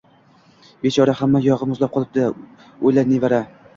“Bechora, hamma yogʻi muzlab qolibdi!” – oʻyladi nevara.